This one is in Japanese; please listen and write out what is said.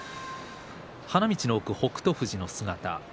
花道の奥、北勝富士の姿。